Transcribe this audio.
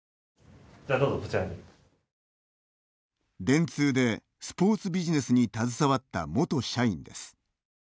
電通で、スポーツビジネスに携わった元社員です。